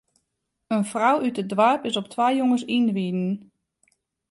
In frou út it doarp is op twa jonges ynriden.